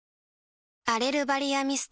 アレルバリアミスト